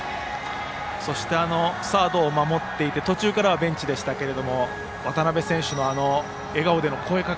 そしてサードを守っていて途中からはベンチでしたけれども渡邊選手の笑顔での声かけ